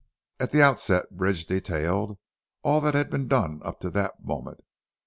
At the out set Bridge detailed, all that had been done up to that moment.